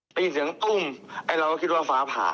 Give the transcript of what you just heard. ได้ยินเสียงตุ้มไอ้เราก็คิดว่าฟ้าผ่า